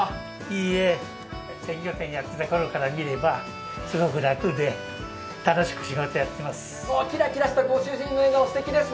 いいえ、鮮魚店をやっていたころから見れば楽しく仕事やってます。